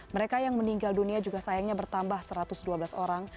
mereka yang meninggal dunia juga sayangnya bertambah satu ratus dua belas orang